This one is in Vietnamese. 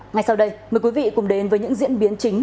ngay sau đây mời quý vị cùng đến với những diễn biến chính